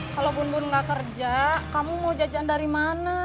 kalau bun bun gak kerja kamu mau jajan dari mana